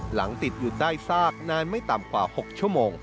ติดอยู่ใต้ซากนานไม่ต่ำกว่า๖ชั่วโมง